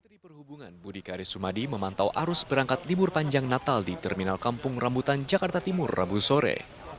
menteri perhubungan budi kari sumadi memantau arus berangkat libur panjang natal di terminal kampung rambutan jakarta timur rabu sore